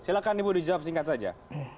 silahkan ibu dijawab singkat saja